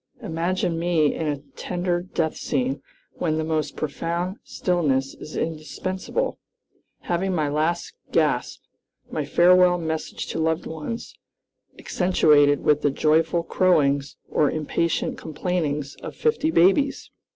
imagine me in a tender death scene, when the most profound stillness is indispensable, having my last gasp, my farewell message to loved ones, accentuated with the joyful crowings or impatient complainings of fifty babies."